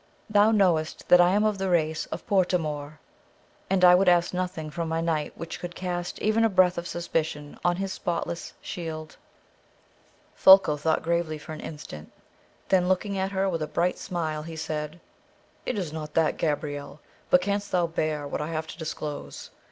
Thou knowest that I am of the race of Portamour, and I would ask nothing from my knight which could cast even a breath of suspicion on his spotless shield." Folko thought gravely for one instant; then looking at her with a bright smile, he said: "It is not that, Gabrielle; but canst thou bear what I have to disclose?